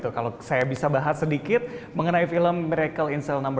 kalau saya bisa bahas sedikit mengenai film miracle in cell no tujuh